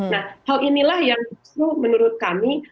nah hal inilah yang justru menurut kami